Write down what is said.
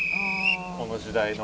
この時代の。